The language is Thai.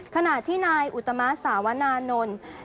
ขณะที่นายอุตมะสาวนานนท์